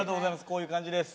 こういう感じです。